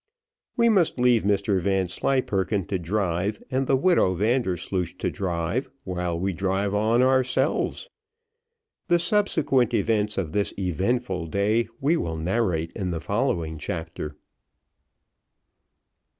We must leave Mr Vanslyperken to drive, and the widow Vandersloosh to drive, while we drive on ourselves. The subsequent events of this eventful day we will narrate in the following chapter.